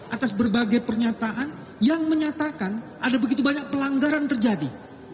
atas berbagai pernyataan yang menyatakan ada begitu banyak pelanggaran terjadi